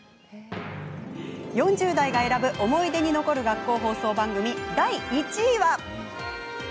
４０代が選ぶ思い出に残る学校放送番組、第１位は。